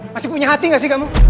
masih punya hati gak sih kamu